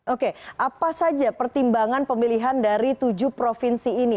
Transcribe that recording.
oke apa saja pertimbangan pemilihan dari tujuh provinsi ini